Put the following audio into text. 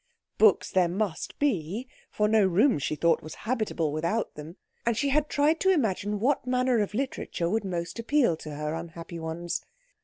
Books there must be, for no room, she thought, was habitable without them; and she had tried to imagine what manner of literature would most appeal to her unhappy ones.